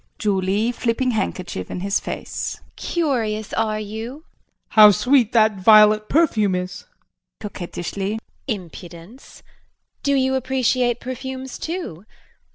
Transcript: JULIE. [Flipping handkerchief in his face]. Curious, are you? JEAN. How sweet that violet perfume is! JULIE [Coquettishly]. Impudence! Do you appreciate perfumes too?